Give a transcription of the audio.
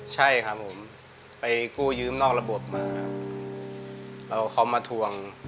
ใช่ครับผมไปกู้ยืมนอกระบบมาแล้วเขามาทวง